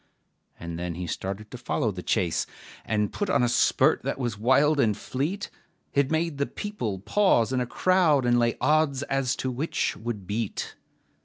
And then he started to follow the chase, And put on a spurt that was wild and fleet, It made the people pause in a crowd, And lay odds as to which would beat.